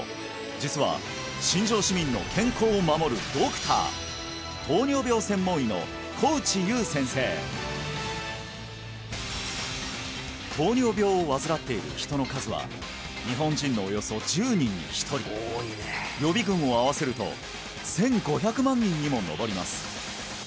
実は新庄市民の健康を守るドクター糖尿病専門医の小内裕先生糖尿病を患っている人の数は日本人のおよそ１０人に１人予備軍を合わせると１５００万人にも上ります